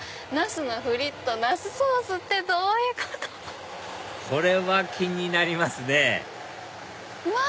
「茄子のフリット」「茄子ソース」ってどういうこと⁉これは気になりますねうわ